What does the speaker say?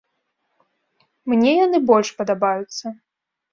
Мне яны больш падабаюцца.